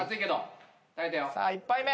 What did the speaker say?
さあ１杯目。